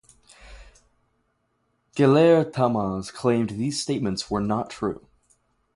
Gellert Tamas claimed these statements were not true.